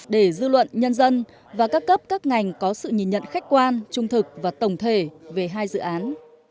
để dư luận nhân dân và các cấp các ngành có sự nhìn nhận khách quan trung thực và tổng thể về hai dự án